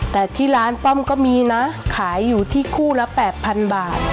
แต่ที่ร้านป้อมก็มีนะขายอยู่ที่คู่ละ๘๐๐๐บาท